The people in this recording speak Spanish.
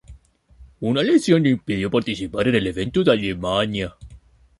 Una lesión le impidió participar en el evento en Alemania.